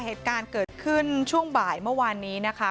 เหตุการณ์เกิดขึ้นช่วงบ่ายเมื่อวานนี้นะคะ